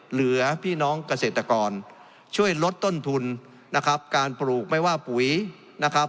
เหลือพี่น้องเกษตรกรช่วยลดต้นทุนนะครับการปลูกไม่ว่าปุ๋ยนะครับ